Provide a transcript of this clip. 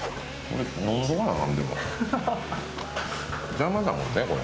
邪魔だもんねこれ。